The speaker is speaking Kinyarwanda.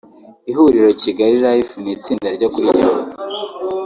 Ihuriro Kigalilife ni itsinda ryo kuri Yahoo